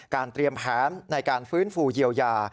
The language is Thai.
เตรียมแผนในการฟื้นฟูเยียวยา